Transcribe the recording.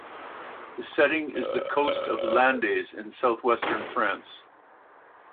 The setting is the coast of Landes in southwestern France.